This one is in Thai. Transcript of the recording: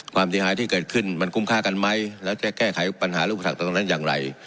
ความเสียหายที่เกิดขึ้นมันคุ้มค่ากันไหมแล้วจะแก้ไขปัญหารูปสรรคตรงนั้นอย่างไร